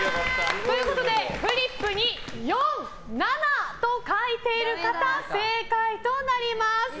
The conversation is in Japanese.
フリップに４、７と書いている方正解となります。